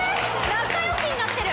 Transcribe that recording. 仲良しになってる！